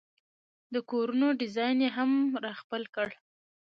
د کورونو ډیزاین یې هم را خپل کړل.